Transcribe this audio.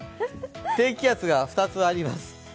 低気圧が２つあります。